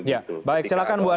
ya baik silakan bu ani